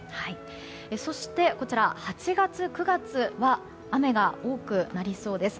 そして８月、９月は雨が多くなりそうです。